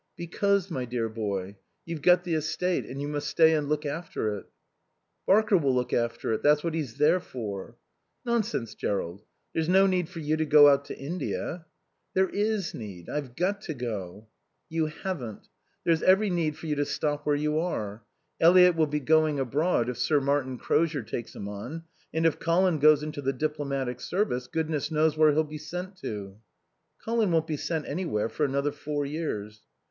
"Because, my dear boy, you've got the estate and you must stay and look after it." "Barker'll look after it. That's what he's there for." "Nonsense, Jerrold. There's no need for you to go out to India." "There is need. I've got to go." "You haven't. There's every need for you to stop where you are. Eliot will be going abroad if Sir Martin Crozier takes him on. And if Colin goes into the diplomatic service Goodness knows where he'll be sent to." "Colin won't be sent anywhere for another four years."